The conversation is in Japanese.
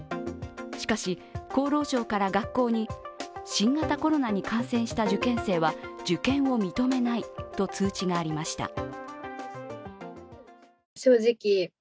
しかし、厚労省から学校に新型コロナに感染した受験生は受験を認めないと通知がありました。